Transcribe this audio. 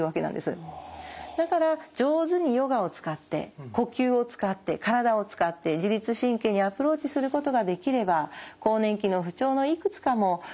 だから上手にヨガを使って呼吸を使って体を使って自律神経にアプローチすることができれば更年期の不調のいくつかも緩和できるんじゃないか。